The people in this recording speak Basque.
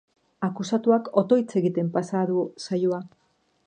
Akusatuak otoitz egiten pasa du saioa.